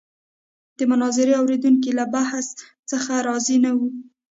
د مناظرې اورېدونکي له بحث څخه راضي نه وو.